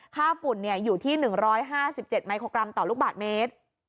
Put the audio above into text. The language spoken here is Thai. ฝุ่นอยู่ที่๑๕๗มิโครกรัมต่อลูกบาทเมตร